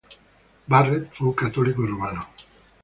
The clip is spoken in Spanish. Barrett fue un Católico Romano.